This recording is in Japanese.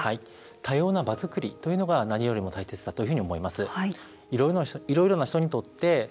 対応の場作りというのが何よりも重要だと思います。